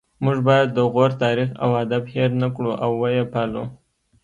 موږ باید د غور تاریخ او ادب هیر نکړو او ويې پالو